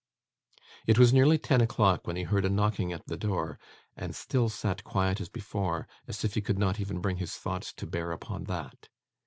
It was nearly ten o'clock when he heard a knocking at the door, and still sat quiet as before, as if he could not even bring his thoughts to bear upon that.